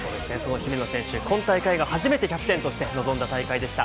姫野選手、今大会が初めてキャプテンとして臨んだ大会でした。